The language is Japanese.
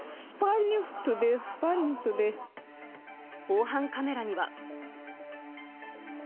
防犯カメラには。